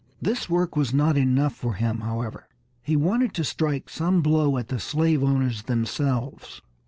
This work was not enough for him, however; he wanted to strike some blow at the slave owners themselves.